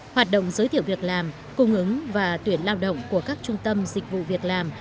hoạt động giới thiệu việc làm cung ứng và tuyển lao động của các trung tâm dịch vụ việc làm